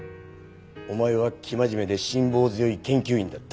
お前は生真面目で辛抱強い研究員だった。